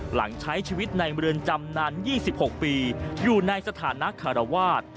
หลังใช้ชีวิตในเมืองจำนาน๒๖ปีอยู่ในสถานะคารวาส